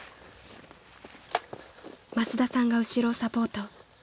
［益田さんが後ろをサポート］